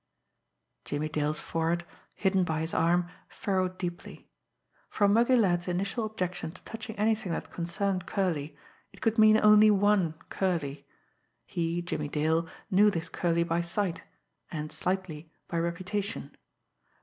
Jimmie Dale's forehead, hidden by his arm, furrowed deeply. From Muggy Ladd's initial objection to touching anything that concerned Curley, it could mean only one Curley. He, Jimmie Dale, knew this Curley by sight, and, slightly, by reputation.